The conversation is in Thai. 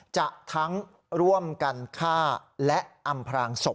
จะทั้งร่วมกันฆ่าและอำพรางศพ